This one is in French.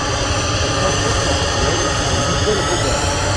Sa préfète actuelle est Nicole Robert.